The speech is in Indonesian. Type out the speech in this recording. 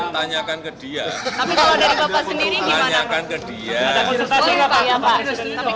pak kaisang mau maju pak kaisang mau maju pak kaisang mau maju depok